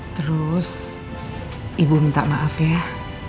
terus ibu minta maaf ya